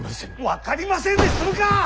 分かりませんで済むか！